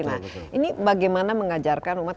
nah ini bagaimana mengajarkan umat